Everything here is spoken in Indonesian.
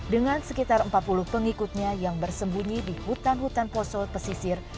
dengan sekitar empat puluh pengikutnya yang bersembunyi di hutan hutan poso pesisir